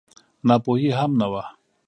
ناپوهي هم نه وه.